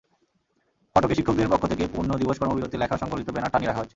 ফটকে শিক্ষকদের পক্ষ থেকে পূর্ণ দিবস কর্মবিরতি লেখা-সংবলিত ব্যানার টানিয়ে রাখা হয়েছে।